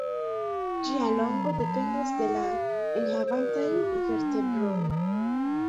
Ĝia longo dependas de la enhavantaj vertebroj.